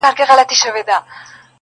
راغزولي دي خیرن لاسونه؛